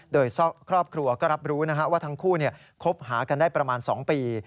โดยครอบครัวก็รับรู้ว่าทั้งคู่คบหากันได้ประมาณ๒ปี